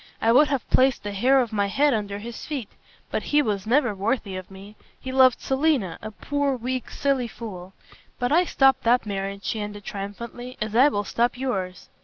I would have placed the hair of my head under his feet. But he was never worthy of me. He loved Selina, a poor, weak, silly fool. But I stopped that marriage," she ended triumphantly, "as I will stop yours."